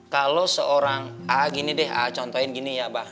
kalau seorang contohin gini ya abah